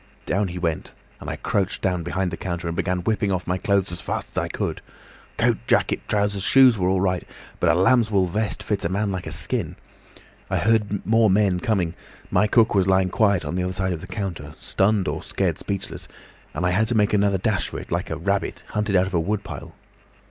Down he went, and I crouched down behind the counter and began whipping off my clothes as fast as I could. Coat, jacket, trousers, shoes were all right, but a lambswool vest fits a man like a skin. I heard more men coming, my cook was lying quiet on the other side of the counter, stunned or scared speechless, and I had to make another dash for it, like a rabbit hunted out of a wood pile.